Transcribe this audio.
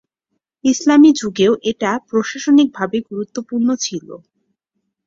ইসলামী যুগেও এটা প্রশাসনিকভাবে গুরুত্বপূর্ণ ছিলো।